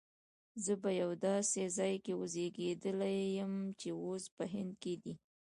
زه په یو داسي ځای کي زیږېدلی یم چي اوس په هند کي دی